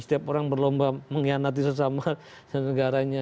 setiap orang berlomba mengkhianati sesama dan negaranya